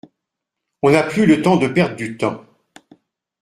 On n’a plus le temps de perdre du temps.